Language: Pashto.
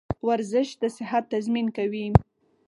ورزش د صحت تضمین کوي.